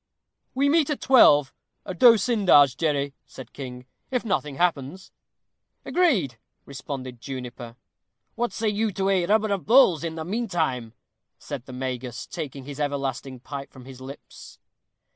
"We meet at twelve, at D'Osyndar's, Jerry," said King, "if nothing happens." "Agreed," responded Juniper. "What say you to a rubber at bowls, in the mean time?" said the Magus, taking his everlasting pipe from his lips.